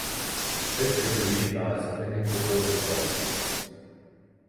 This revolutionized clinical orthodontics.